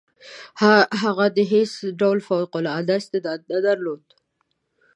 هغه د هیڅ ډول فوق العاده استعداد نه درلود.